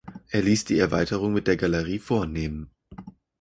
Er liess die Erweiterung mit der Galerie vornehmen.